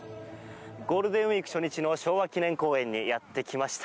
ゴールデンウィーク初日の昭和記念公園にやってきました。